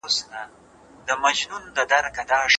موږ باید د خپلې ژبې ساتنه او پالنه وکړو.